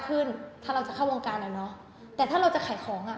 แต่ถ้าเราจะขายของอะไม่พอขายอยู่แล้วไม่พอขายอยู่แล้ว